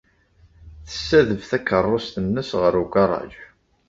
Tessadef takeṛṛust-nnes ɣer ugaṛaj.